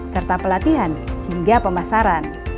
serta pelatihan hingga pemasaran